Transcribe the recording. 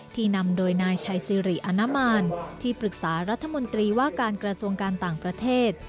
นำโดยนายชัยสิริอนามานที่ปรึกษารัฐมนตรีว่าการกระทรวงการต่างประเทศ